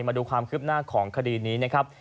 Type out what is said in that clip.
มาดูความคืบหน้าของคดีนี้นะครับ